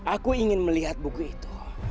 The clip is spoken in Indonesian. aku ingin melihat buku itu